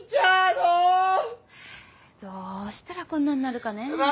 ハァどうしたらこんなんなるかねぇ。